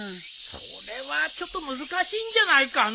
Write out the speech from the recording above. それはちょっと難しいんじゃないかのう。